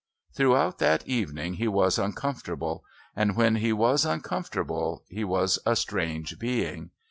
Throughout that evening he was uncomfortable, and when he was uncomfortable he was a strange being.